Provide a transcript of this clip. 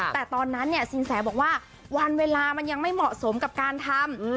แต่ตอนนั้นเนี่ยสินแสบอกว่าวันเวลามันยังไม่เหมาะสมกับการทำ